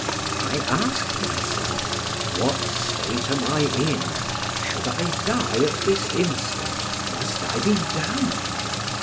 I asked myself, "What state am I in? Should I die at this instant, must I be damned?"